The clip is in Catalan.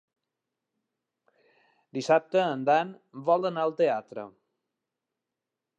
Dissabte en Dan vol anar al teatre.